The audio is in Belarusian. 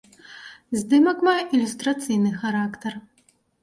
Здымак мае ілюстрацыйны характар.